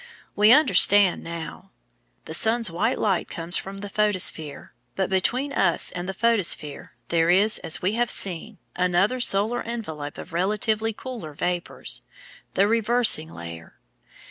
We understand now. The sun's white light comes from the photosphere, but between us and the photosphere there is, as we have seen, another solar envelope of relatively cooler vapours the reversing layer.